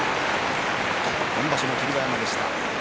今場所も霧馬山でした。